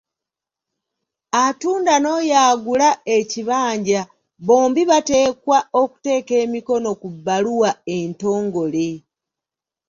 Atunda n'oyo agula ekibanja bombi bateekwa okuteeka emikono ku bbaluwa entongole.